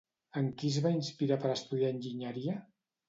En qui es va inspirar per estudiar enginyeria?